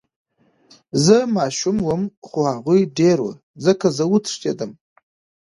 زه ماشوم وم خو هغوي ډير وو ځکه زه وتښتېدم.